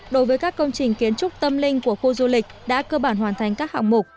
đối với các công trình kiến trúc tâm linh của khu du lịch đã cơ bản hoàn thành các hạng mục